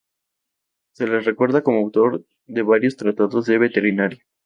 Se le recuerda como autor de varios tratados de veterinaria.